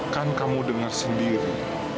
kan kamu dengar sendiri